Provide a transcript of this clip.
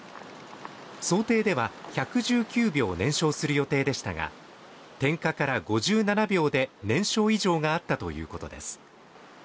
想定では１１９秒燃焼する予定でしたが、点火から５７秒で燃焼異常があったということです。